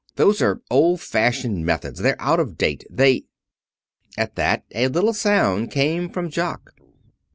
Those are old fashioned methods. They're out of date. They " At that a little sound came from Jock.